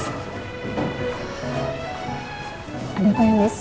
ada yang pengen mas